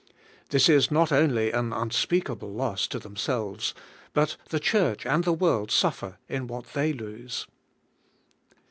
This is not only an unspeakable loss to themselves, but the Church and the world suffer in what they lose.